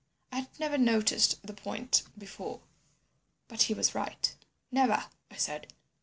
I had never noticed the point before, but he was right. "Never," I said.